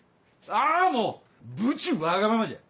あもうブチわがままじゃ！